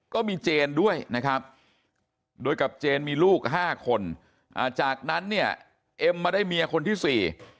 ก็มีเจนด้วยนะครับโดยกับเจนมีลูกห้าคนอ่าจากนั้นเนี่ยเอ็มมาได้เมียคนที่สี่